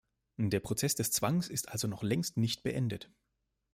Der Prozess des Zwangs ist also noch längst nicht beendet.